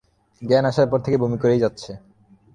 জ্ঞান আসার পর থেকে বমি করেই যাচ্ছে।